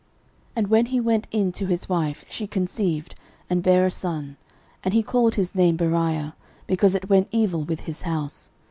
13:007:023 And when he went in to his wife, she conceived, and bare a son, and he called his name Beriah, because it went evil with his house.